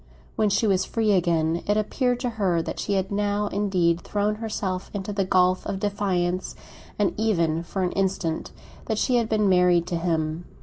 When she was free again it appeared to her that she had now indeed thrown herself into the gulf of defiance, and even, for an instant, that she had been married to him.